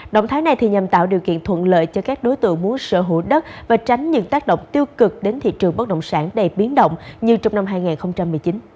động thái này nhằm tạo điều kiện thuận lợi cho các đối tượng muốn sở hữu đất và tránh những tác động tiêu cực đến thị trường bất động sản đầy biến động như trong năm hai nghìn một mươi chín